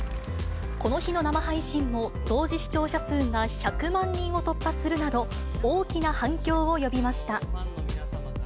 この日の生配信も、同時視聴者数が１００万人を突破するなど、大きな反響を呼びました。